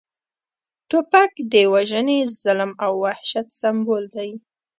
توپک د وژنې، ظلم او وحشت سمبول دی